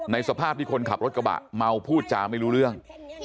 สภาพที่คนขับรถกระบะเมาพูดจาไม่รู้เรื่อง